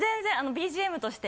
ＢＧＭとして。